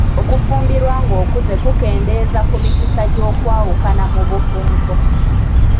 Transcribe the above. Okufumbirwa ng'okuze kukendeeza ku mikisa gy'okwawukana mu bufumbo.